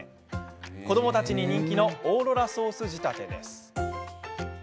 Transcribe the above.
子どもたちに人気のオーロラソース仕立てです。